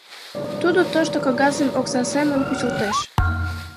— Тудо тошто кагазым окса семын кучылтеш.